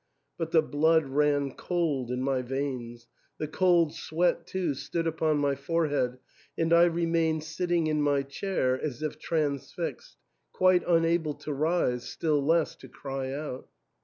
But the blood ran cold in my veins; the cold sweat, too, stood upon my forehead, and I remained sitting in my chair as if transfixed, quite unable to rise, still less to cry out.